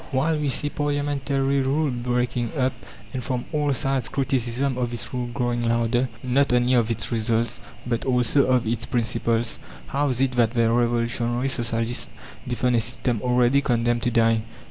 While we see parliamentary rule breaking up, and from all sides criticism of this rule growing louder not only of its results, but also of its principles how is it that the revolutionary socialists defend a system already condemned to die?